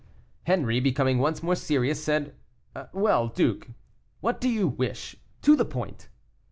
Henri, becoming once more serious, said, "Well, duke, what do you wish? To the point."